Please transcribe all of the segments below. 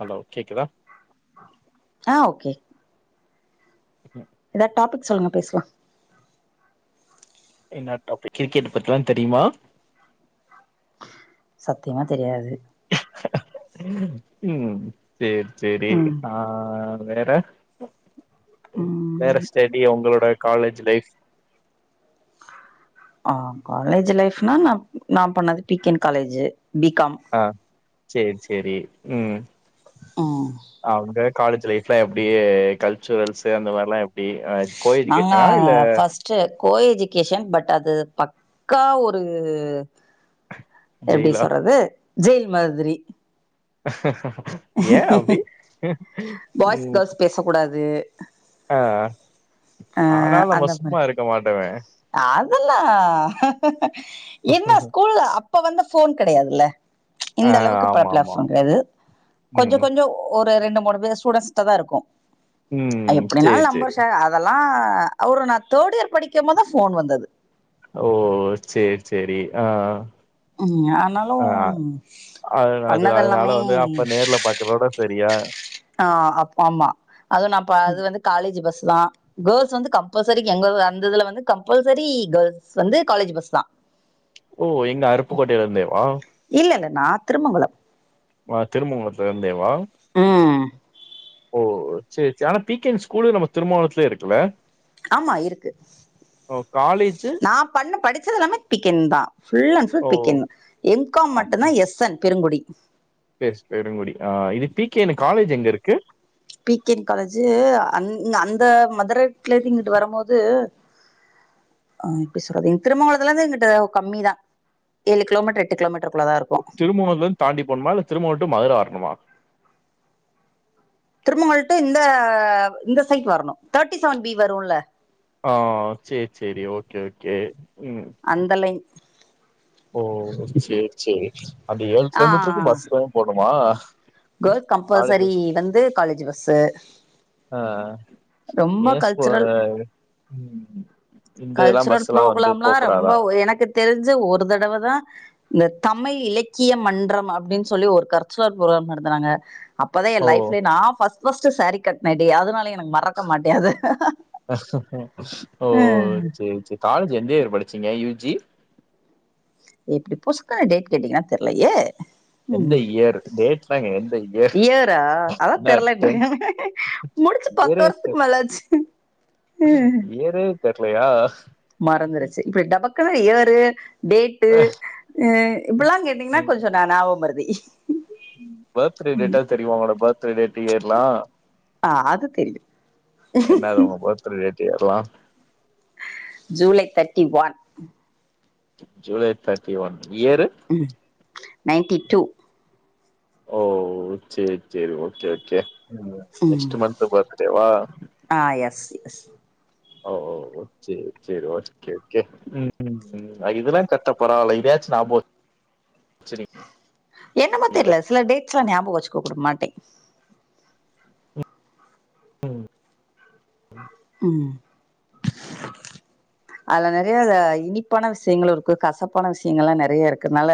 Hello கேக்குதா ஆ ஏதா டாபிக் சொல்லுங்க பேசலா என்ன டாபிக் கிரிக்கெட் பத்திலா தெரியுமா சத்தியமா தெரியாது உம் சேரி சேரி ம் ஆஹ் வேற வேற ம் ஸ்டெடி உங்களோட காலேஜ் லைஃப் ஆஹ் காலேஜ் லைப்னா நான் நா பண்ணது பிகன் காலேஜ் பீகாம் ஆ சேரி சேரி உம் ம் காலேஜ் லைஃப்லா எப்டி கல்ச்சுரல்ஸு அந்த மாரிலன் எ நாங்க ஃபஸ்ட் கோ எஜுகேஷன் பட் அது பக்கா ஒரு எப்டி ஜெயிலா சொல்றது ஜெில் மாதிரி [unintelligible] ஏ அப்டி பாய்ஸ் கேள்ஸ் பேச கூடாது தூ ஆஹ் ஆனாலு நம்ம சும்மா இருக்க மாட்டோமே அல்லா என்ன ஸ்கூல்ல அப்ப வந்த போன் கிடையாதுல்ல ஆ இந்த அளவுக்கு ப ஆமா ஆமா பிளாட்பார்ம் எது கொஞ்ச ம் கொஜம் ஒரு ரெண்டு மு மூணு பேர் ஸ்டுடன்ஸ்டா தான் இருக்கும் உம் செரி செரி ஆஹ் அவரு நான் தேர்ட் இயர் படிக்க போதே போன் வந்தது ஓ செரி செரி ஆஹ் ம் ஆனாலு அஹ் அது அது அதனால பண்ணதெல்லாமே வந்து அப்ப நேர்ல பாக்குறதோட சரியா ஆஹ் அப்ப ஆமா அதுவும் நான் பா அது ம். வந்து காலேஜ் பஸ் தான் கேர்ள்ஸ் வந்து கம்பல்சரி எங்க அந்ததுல வந்து கம்பல்சரி கேர்ள்ஸ் வந்து காலேஜ் பஸ் தான் ஓ எங்க அருப்புக்கோட்டையில இருந்தேவா நான் திருமங்கலம் ஆ திருமங்கலத்து இருந்து தேவ ம் ஓ செரி சரி ஆனா பீக்கெண்ட் ஸ்கூல் நம்ம திருமாவலத்துலயே இருக்குல்ல ஆமா இருக்கு ஓ காலேஜு நான் பண்ண படி ச்ச தெல்லமே பிக்கன் தான் ஃபுல் அண்ட் ஃபுல் ஓ பிக்ன் எம் காம் மட்டும்தான் எஸ்என் பெருங்குடி பே பெருங்குடி ஆஹ் இது பிகேன்னு காலேஜ் எங்க இருக்கு பிகின் காலேஜி அங்க அந்த மதுரலந்து இங்குட்டு வரும்போது ஹ எப்டி சொல்றது திருமங்கலத்துல இருந்து இங்குட்டு கம்மிதான் ஏழு கிலோமீட்டர் எட்டு கிலோமீட்டர் திருமவோத்துல இருந்து தாண்டி போடுமா இல்ல திருமணம்ட்டு மதுர வரணுமா திருமோல்ட்டு இந்த ஹா இந்த சைட் வரணும் தேர்ட்டி செவன் பி வரும்ல ஆஹ் செரி செரி ஓகே ஓகே ம் அந்த லைன் ஓ சேரி சேரி அந்த ஏழு ஆ கிலோமீட்டருக்கு பஸ் தான் போனும் வா கேர்ள்ஸ் காலேஜ் கம்பல்சரி வந்து காலேஜ் பஸ் ஆ ரொம்ப ஏ ஸ்கூ கல்ச்சரல் ம் இந்த இதெல்லா கல்ச்சரல் பஸ் எல்லா வந்து ப்ரோக்ராம் போ ரொம்ப கூடாதா எனக்கு தெரிஞ்ச ஒரு தடவை வா இந்த தமிழ் இலக்கிய மன்றம் அப்படின்னு சொல்லி ஒரு கறச்சலர் ப்ரோக்ராம் நடந்தது வாங்க அப்பதான் ஓ என் லைப்ல நா ப்ஸ்ட் ப்ஸ் சாரீ கட்ன டே அதனால மறக்க மாட்டேன் அத ஓ சேரி சேரி காலேஜ் எந்த இயர் படிச்சீங்க யூஜி எப்படி புச்கா டேட் கேட்டீங்கன்னா தெரலையே எந்த உம் இயர் டேட்லாங்க எந்த இயர் இயரா அதான் என்ன தெரிலடுறங்க டென்த் முடிச்சு பத்து வருஷத்துக்கு மேலாச்சு ஏறுப் தெரலையா மறந்துருச்சு இப்ப டப்கு காய்யாரு டேட்டு ன்னு இப்படில்லாம் கேட்டீங்கன்னா கொஞ்சம் ஞாபமறதி இ பர்த்டே டேட்டா தெரியுமா பர்த்டே டேட் இயர் லாம் ஆஹ் அது தெரியும் என்னது உங்க பர்த்டே டேட் இயர்லா July thirty one July thirty one year ninety two ஓ சேரி சேரி ஒக்கே ஓக்கே உம் நெக்ஸ்டு மன்த் பர்த்டே வா ஆ [inaudible] ஒ ஒ ஒக்கே ஒகே ஒக்கரே ஒகே இதெல்லாம் கட்டப்பரவாயில்ல இதயாச்சு நாப வச் என்னமா தெரியல சில டேஸ் எலாம் ஞாபகம் வச்சு கூப்பிட மாட் ம் உம் அதுல நறைய இனிப்பான விஷயங்களும் இருக்கு கசப்பான விஷயங்கள் எல்லாம் நறைய இருக்குனால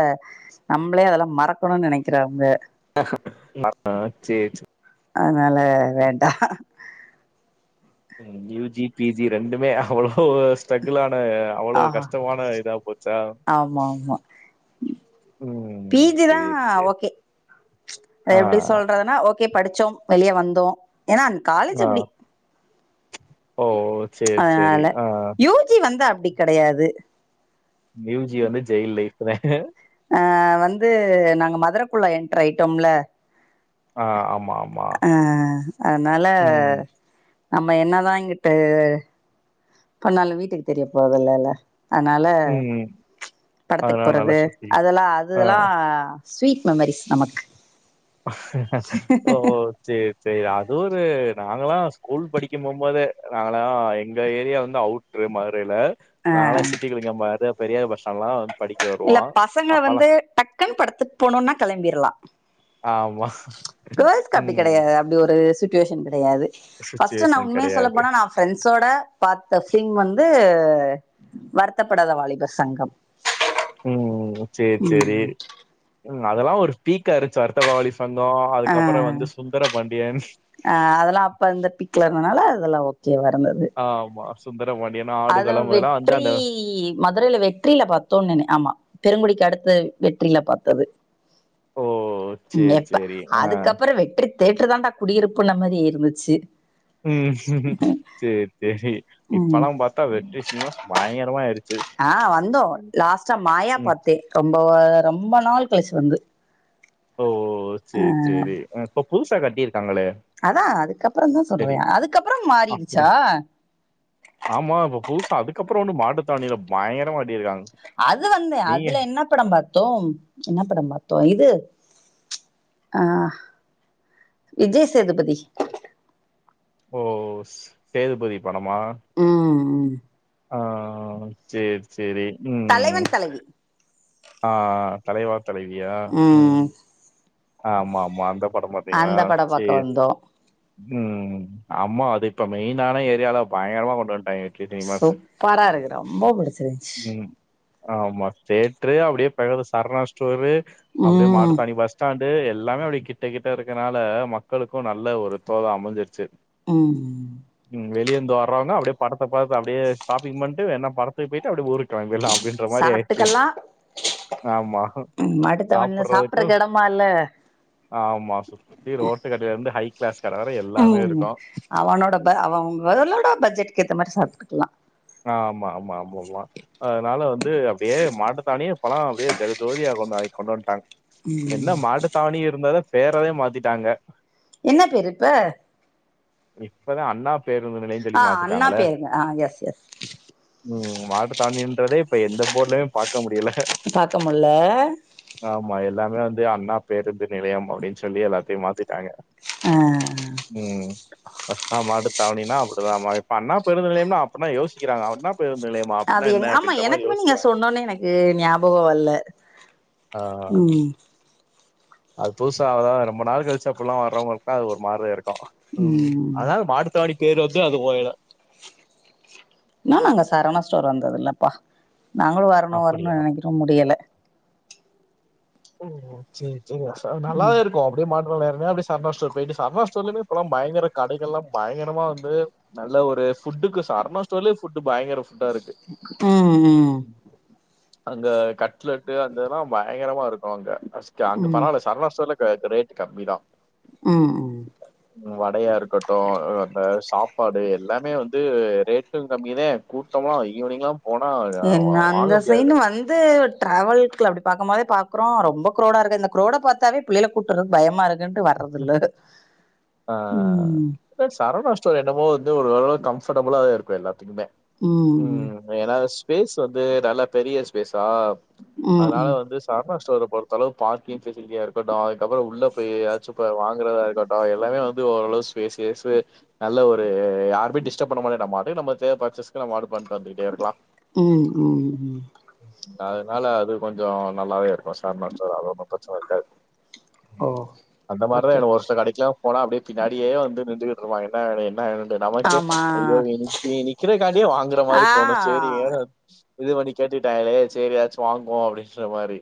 நம்மளே அதெல்லாம் மறக்கணும்னு நனைக்கிறவங்க ஆஹ நர்தம் சேர் சேர் அதனால வேண்டாம் யூ ஜி பி ஜி ரெண்டுமே அவ்ளோ ஸ்டகுலான் ஆ அவ்வளவு கஷ்டமான இதா போச்சா ஆமா ஆமா உம் பிஜி தான் செரி செரி ஓகே ஆஹ் சோம் வெளியே வந்தோம் ஏன்னா அன் காலேஜ் அப்படி ஓஓ அதனால யூஜி வந்து அ ப்படி கிடையாது யூஜி வந்து ஜெயில் லைஃப் தான் ஆஹ் வந்து நான் மதுரைக்குள்ள என்டராயிடோம்ல ஆ ஆமா ஆமா. ஆஹ் அதனால ம் நம்ம என்னதான் இங்கிட்டு பண்ணாலும் வீட்டுக்கு தெரிய போறது இல்லல அதனால ம் படத்துக்கு அதனால நல்லா போறது சுத்தி அதெல்லாம் ஆ அதுல்லாம் ஸ்வீட் மெமரிஸ் நமக்கு [unintelligible] ஓ ஓ சேரி சரி அது ஒரு நாங்களாம் ஸ்கூல் படிக்கும் போகும்போது நாங்களாம் எங்கள் ஏரியா வந்து அவுட்ரு மதுரையில ஆ நாங்க எல்லாம் சிட்டி கிளிக்க பாரு பெரியார் பஸ் ஸ்டாண்டுலாம் இல்ல பசங்களை வந்து டக்குன்னு படத்துக்கு போனும்னா கிளம்பிடலாம் ஆமா. கேள்ஸ்க்கு அப்படி ம். கிடையாது அப்படி ஒரு சுட் டியூஷன் கெடையாது ஃபர்ஸ்ட் நான் சுச்சுவேஷன் உண்மைய சொல்ல கெடையாது. போனா நான் பிரெண்ட்ஸோட பாத்த பிலிம் வந்து வருத்தப்படாத வாலிபர் சங்கம் உம் உம் சேரி சேரி ம் அதெல்லாம் ஒரு பீக்காயிருச்சு வருத்தபடாத வாலி அஹ் ஆஹ் அதெல்லாம் அப்ப இந்த பீக்ல இருதனால அதெல்லாம் வரம் போது ஆமா. சுந்தரபாண்டியன், அது ஆடுகளம் இதெல்லாம் வந்து வெற்றி அந்த மதுரையில வெற்றியில பாத்தோம் நே ஆமா பெருங்குடிக்கு அடுத் வெற்றில பாத்தது ஓ! உம் சரி, எப்ப சரி. ஆ. அதுக்கப்புறம் வெற்றி தேட்ரு தாண்டா குடியிருப்புன்னா மாரி இருந்துச்சு உம் செரி செரி செரி இப்ப ம். எலாம் பாத் வெற்றி சினிமாஸ் பயங்கரமா ஆயிருச்சு ஆஹ் வந்தோம் ம். லாஸ்டா மாயா ம். பாத்தேன் ரொம்ப ரொம்ப ரொம்ப நாள் கழிச்சு வந்து ஓ ஓ சேரி சேரி புதுசா கட்டிரு அதான் அதுக்கப்புறம் தான் சொல்றேன் அதுக்கப்புறம் அப்படி மாறிடுச்சா தவணியில பயங்கரமா கட்டி இருக்காங்க அது வந்த அதுல என்ன படம் பாத்தோம் என்ன படம் பாத்தோம் இது ஆஹ் விஜய் சேதுபதி ஓ சேதுபதி பணமா ம் ஆஹ் சேரி சே சேரி உம் தலைவன் தலைவி ஆஹ் தலைவா தலைவியா உம் ம் ஆமா ஆமா அந்தப் அந்த படம் பாக்க வந்தோம் உம் அம்மோ அது இப்ப மெயினான ஏரியால பயங்கரமா கொண்டு வன் சூப்பரா இருக்கு ரொம்ப புடிச்சிருந்துச்சு ஆ ஆமா தேட்ரு அப்படியே பக்கதுல சரணா ஸ்டோரு அப்படியே ம் மாட்டுதாவனி பஸ் ஆண்டு எல்லாமே அப்படி கிட்ட கிட்ட இருக்கனால மக்களுக்கும் நல்ல ஒரு தோதா அமைஞ்சி உம் வெளியேந்து வர்றவங்க அப்பிடியே படத்தை பாத்து அப்பிடியே ஷாப்பிங் பண்ட்டு வேனா படத்துக்கு போயிட்டு அப்டியே ஓடி கிளம்பில்லாம் அப்படின்ற மாரி ஆயிடுச்சு சாப்ட்டுக்கலா ஆமா ம் அடுத்தவன்ல சாப்படுறதும் சாப்டறக்கு எடமா இல்ல ஆமா சுத்தி ரோட்டுக்கடயில இருந்து ஹைக் கிளாஸ் கடை வர எல்லாமே உம் இருக்கும். அவனோட ம். அவங்களோட பட்ஜெட்கு ஏத்த மாரி சாப்டு கலாம் ஆமா, ஆமா, ஆமாமா. அதனால வந்து அப்படியே மாட்டுத்தாவனியே பழம் அப்படியே ஜக ஜோதியா கொண்டு வந்துட்டாங்க என்ன ம் மாட்டு தாவணிய இருந்தாத பேறதேன் மாத்திட்டாங்க என்ன பெரு இப்ப இப்பதான் அண்ணா பேருந்து நிலையம்ன்னு சொல்லி ஆஹ் அண்ணா பேரு ஆஹ் எஸ் எஸ் [inaudible] உம் மாட்டு தாவணின்றதே இப்ப எந்த போர்ட்லயமே பா க்க முடியல பாக்க முல்ல ஆமா எல்லாமே வந் அண்ணா பேருந்து நிலையம் அப்படின்னு சொல்லி எல்லாத்தையும் மாத்திட்டாங்க ஆஹ் உம் பஸ்ட்னா மாட்டு தாவணினா அப்படிதான் இப்ப அண்ணா பேருந்து நிலையம்னா என்னா யோசிக்கிறாங்க அண்ணா ப் அது ஆமா எனக்குமே நீங்க சொன்னோனே எனக்கு ஞாபகம் வல்ல ஆ உம் அது புதுசா ஆவுதா ரொம்ப நாள் கழிச்சு அப்புல்லாம் வரவங்களுக்குலா அது ஒரு மாரிதா இருக்கு உம் ம் அதனால மாட்டுத்தாவணி பேர் வந்தும் அது போவல இன்னும் நாங்க சரவணா ஸ்டோர் வந்ததுலப்பா நாங்களும் வரணும் வரணும் அப்டியா நெனைக்கிறோம் முடியல ஓ செரி செரி நல்லா இருக்கும் அப்படியே மாட்டு போலாம் அப்படி சரவணா ஸ்டோர் போயிட்டு சரவணா ஸ்டோர்லயே இப்பல்ல பயங்கர கடைகள் எல்ல பயங்கரமா வந்து நல்ல ஒரு ஃபுட்டுக்கு சரவணா ஸ்டர்லயும் ஃபுட்டு பயங்கர ஃபுட்டா இருக்கு உம் உம் அங்க கட் லட்டு அந்த இது ப பயங்கரமா இருக்கும் அங்க ஃபஸ்ட் அங்க ம் பரவால சரவணா ஸ்டோர்ல ரேட் கம்மி தான் உம் உம் வடையா இருக்கட்டும் அந்த சாப்பாடு எல்லாமே வந்து ரேட்டும் கம்மிதான் கூட்டம்லாம் ஈவினிங்லாம் போனா அ என்ன வா வாங்க அந்த முடியாது. சைடு வந் து டிராவல அப்படி பாக்கிறப்போ பாக்கிறோம் ரொம்ப கிரௌடா இருக்கு இந்த க்ரௌட பாத்தாவே பிள்ளை கூப்பிட்டு வர பயமா இருக்கு ண்ட்டு வர்ரது இல்ல உம் சோ என்னமோ ஒரளவு கம்ஃப்டபுளா தான் இருக்கும் எல்லாம் த்துகுமே ம் உம் ஏன்னா ஸ்பேஸ் வந்து நல்ல பெரிய ஸ்பேஸ் ஆஹ் ம் அதனால ம் வந்து சரவணா ஸ் ஒரு பொறுத்தளவு பார்கிங் பெசிலிட்டியா இருக்கட்டும் அதுக்கப்புற உள்ள போய் சூப்பர் வாங்குறதா இருக்கட்டும் எல்லாமே வந்து ஓரளவு ஸ்பேஸ்சு நல்ல ஒரு யாருமே டிஸ்டப் பண்ண மாரியே நம்ப உண்டு நம்ம தேவ பர்ச்சஸ் பண்ணிட்டு வந்துக்கிட்டே இருக்கலாம் உம் உம் உம் அதுனால அது கொஞ்சோ நல்லாவே இருக்கும் சார்மஸ்டோர் அவ பக்க சோல்டா இருக்கும் ஓ இந்த மாதிரே ஓகே எனக் ஒருஸ்காட் [unintelligible] போனா அப்டியே பின்னாடியே வந்து நின்றுட்டு இருப்பாயிங் என்னா வேனு என்னா வேனு ண்டு நமக்கே ஆமா ஐயோ இவு நிக்கி நிக்கிறங்காட்டியே வாங்குற மாரி ஆ தோணுச் செரி வேனு இது பண்ணி கேட்டுட்டாயிங்குளே செரிய எதாச்சு வாங்குவோ அப்டின் சொன்ன மாரி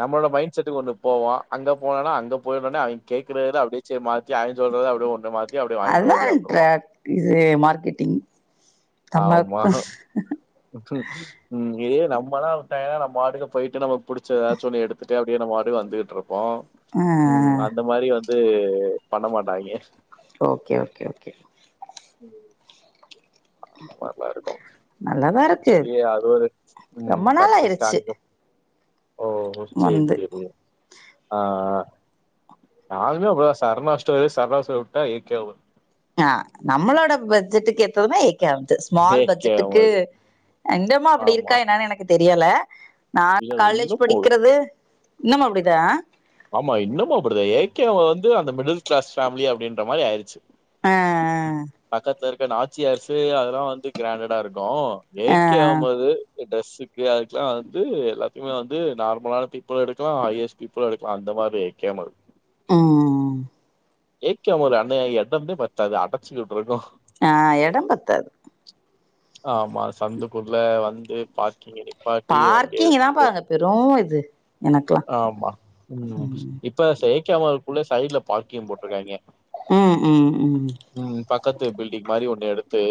நம்முளோட மைண்ட் செட்டுக்கு ஒண்ணு போவோ அங்க போனனா அங்க போய் சொன்னனா அவிங் கேக்குறதுல அப்டியே செரி மாத்தி அவிய் சொல்றத அப்டியே ஒன்று மாத் அதாங்க ட்ரேக் இது மார்க்கெட்டிங் ஆமா தம்மாக்கு உம் இதுவே நம்மெல்லா விட்டாயிங்குனா நம்ம வாட்டுக்கு போயிட்டு நம்ம புடிச்ச எதாச்சு ஒன்னு எடுத்துட் ட்டு அப்டியே நம்ம வாட்டுக்கு வந்துட்ருப் போ ஆ உம் அந்த மாதிரி வந் த்து பண்ண மாட்டாயிங்க ஓகே ஓகே ஓகே உம் அதுலா நல்லா இருக்கு அது நல்லாதா இதி இருக்கு சொல்லிய அதோட உம் ரொம்ப நாள் ஆயிருச்சு பச்சஸ்டாங்கு ஓ சேர் வந்து சேரி ஆஹ் அஹ் நானுமே அப்டிதா சரணாஸ்டோரே சரணாஸ்டோர் விட்டா ஏ கேய் ஒன் ஆஹ் நம்ளோட பட்ஜெட்டுக்கு எத்ததுமே ஏக் கை ஒன்து ஏ ஸ்மால் கே பட்ஜெட்டுக்கு வரும். என்டம்மா அப்டி ஆமா. இருக்கா என்னானு எனக்குத் தெரியல நா இல்ல காலேஜ் இன்னும் போகுது. படிக்கிறது இன்னமும் அப்டிதா ஆமா இன்னமு அப்டிதா ஏ கேவே வந்து அந்த மிடில் கிளாஸ் ஃபேமிலி அப்டின்ற மாரி ஆயிருச்சு ஆ பக்கத்தெர் க்க நாச்சி அரசு அதெல்லா வந்து கிராண்ட்டா இருக்கு ப்புறோ ஆ ஏக் கேய் ஆவும்போது இந்த டிரெஸ்சுக்கு அதுக்குல்லா வந்து எல்லாத்தியுமே வந்து நார்முலான பீப்புள் எடுக்குலாம் ஹையர்ஸ் பீப்புள எடுக் க்குலா அந்து மாரியே கேமுல் ஆஹ் ஏக் கேவோட அண்ணே எடம்பே பத்தாத அடச்சு ஆஹ் எடம் பத்தாது ஆம்மா சந்துக்குல வந்து பார்த் கேடு பாட்டிய வந்து பார்க்கிங் தான்ப்பா அங்க பெரு இது எனக்குலா ஆம்மா உம் ம் இப்ப சேயிக் கமாருக்குள்ள சைட்டுல பார்கிங் போட் டு இருக்காங்க உம் உம் உம் பக்கத்து பில்டிங் மாரி ஒண்ணு எடுத்து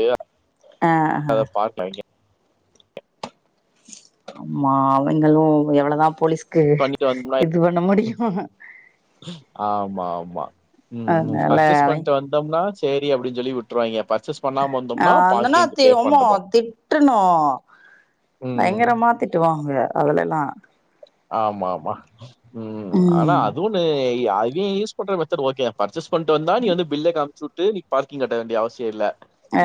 ஆஹ் ஆஹ்ஹ அத பார்க்காங்க ஆமா அவுங்களும் எவ்வளவுதான் போலீஸ் க்கு பண்ணிட்டு வந்தோம்னா இது பண்ண முடியும் ஆமா ஆமா உம் அதனால பர்ச்சேஸ் அவை பண்ட்டு வந்தோம்னா செரி அப்படின்னு சொல்லி விட்ருவாங்க ஆஹ் வந்தன்னா த உம் பண்றோம் திட்டுணும் ம் பயங்கரமா திட்டுவாங்க அதலாம் எல்லாம் ஆமா ஆமா உம் ஆனா ம் அது ஒன்னு அது யூஸ்பன்ற மெதட் ஓகே பர்ச்சேஸ் கொண்டு வந்தா நீ வந்து பில்ல காமிச்சுட் நீ பாரிங் கட்ட வேண்டியசியம் இலை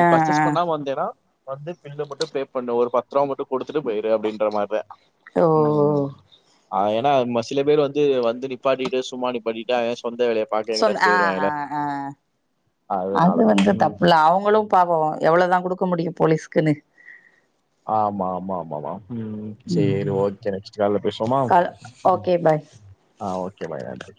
ஆ ஆ பர்ச்சேஸ் பண்ணாம வந்தேனா வந்து பில்லு மட்டுபே பண்ணுவேன் ஒரு பத்ருவா மட்டும் எடுத்துட்டு போயருவேன் அப்படின்ற மாதிரிதான் ஓ ஏன்னா சில பேர் வந்து வந்து நிப்பாட்டிட்டு சும்மா நிப்பாட்டிட்டு சொந்த வேலைய பாக்க சொ எங்கிட்டாச்சும் ஆஹ் போயிருவான்ல. ஆஹ் ஆஹ் அதனால. அது வந்து ம். தப்புல அவுங்களும் பாவோம் எவ்வளவுதான் கொடுக்க முடியும் போலிஸ்குனு ஆமா ஆமா ஆமா ஆமாவா உம் செரி ம் ஓகே நெக்ஸ்ட்டு கால்ல பேசுவோமா க ஓகே பாய் ஆஹ் ஓகே பாய் நன்றி